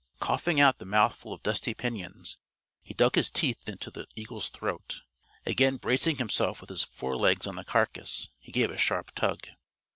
Coughing out the mouthful of dusty pinions, he dug his teeth into the eagle's throat. Again bracing himself with his forelegs on the carcass, he gave a sharp tug.